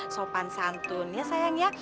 sopan santun ya sayang ya